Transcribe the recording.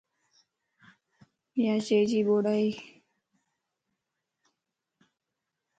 ياچيجي ٻوڙائي